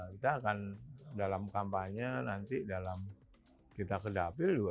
kita akan dalam kampanye nanti dalam kita kedapil juga